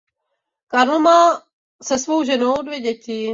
Carlo má se svou ženou dvě děti.